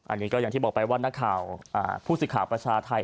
อันนี้ก็อย่างที่บอกไปว่านักข่าวผู้สื่อข่าวประชาไทย